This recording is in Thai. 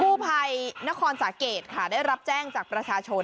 ผู้ภัยนครสาเกตค่ะได้รับแจ้งจากประชาชน